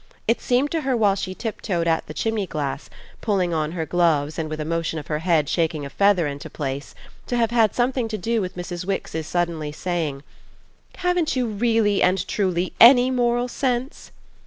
It seemed to her while she tiptoed at the chimney glass, pulling on her gloves and with a motion of her head shaking a feather into place, to have had something to do with Mrs. Wix's suddenly saying: "Haven't you really and truly ANY moral sense?"